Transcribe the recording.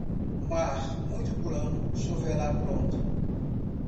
Mar muito plano, choverá pronto.